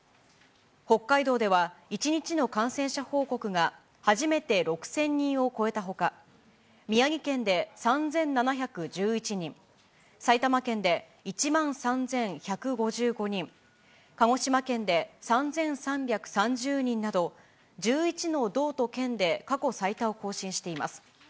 北海道では１日の感染者報告が初めて６０００人を超えたほか、宮城県で３７１１人、埼玉県で１万３１５５人、鹿児島県で３３３０人など、１１の道と県で過去最多を更新しています。